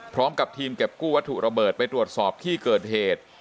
พร้อมกับทีมเก็บกู้วัตถุระเบิดไปตรวจสอบที่เกิดเหตุ